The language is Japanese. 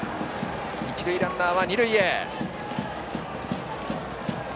一塁ランナーは二塁へ。